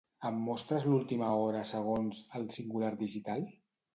Em mostres l'última hora segons "El Singular Digital"?